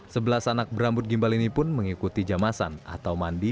sebelas anak berambut gimbal ini pun mengikuti jamasan atau mandi